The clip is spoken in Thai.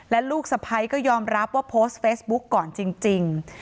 และลูกสะพ้ายก็ยอมรับว่าโพสต์เฟซบุ๊กก่อนจริง